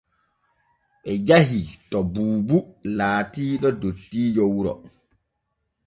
Ɓe jahii to Buubu laatiiɗo dottiijo wuro.